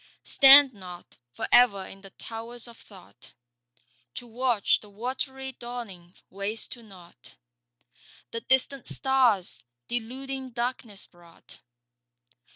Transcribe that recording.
Stand not for ever in the towers of Thought To watch the watery dawning waste to nought The distant stars deluding darkness brought.